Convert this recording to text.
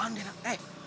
on deh nak